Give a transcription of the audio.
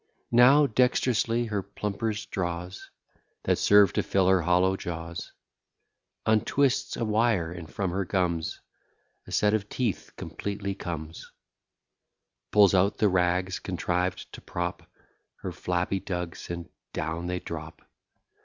Now dext'rously her plumpers draws, That serve to fill her hollow jaws, Untwists a wire, and from her gums A set of teeth completely comes; Pulls out the rags contrived to prop Her flabby dugs, and down they drop.